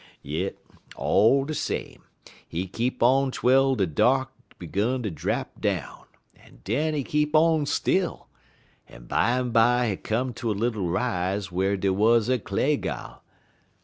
"Yit, all de same, he keep on twel de dark 'gun ter drap down, en den he keep on still, en bimeby he come ter a little rise whar dey wuz a clay gall.